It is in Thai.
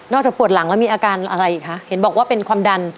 จากปวดหลังแล้วมีอาการอะไรอีกคะเห็นบอกว่าเป็นความดัน